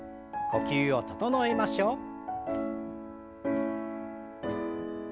呼吸を整えましょう。